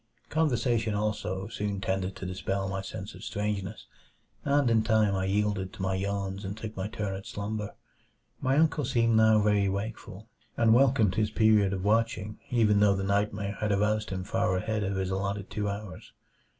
Conversation, also, soon tended to dispel my sense of strangeness; and in time I yielded to my yawns and took my turn at slumber. My uncle seemed now very wakeful, and welcomed his period of watching even though the nightmare had aroused him far ahead of his allotted two hours.